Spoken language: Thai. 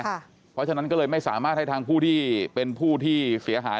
เพราะฉะนั้นก็เลยไม่สามารถให้ทางผู้ที่เป็นผู้ที่เสียหาย